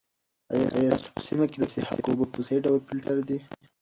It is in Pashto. آیا ستاسو په سیمه کې د څښاک اوبه په صحي ډول فلټر دي؟